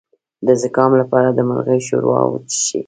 د زکام لپاره د مرغۍ ښوروا وڅښئ